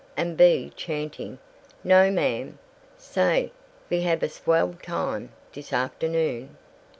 and Bea chanting, "No, ma'am. Say, ve have a svell time, dis afternoon.